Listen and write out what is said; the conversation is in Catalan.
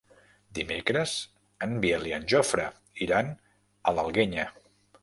Dimecres en Biel i en Jofre iran a l'Alguenya.